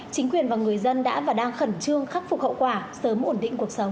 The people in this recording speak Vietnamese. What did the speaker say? chính quyền và người dân đã và đang khẩn trương khắc phục hậu quả sớm ổn định cuộc sống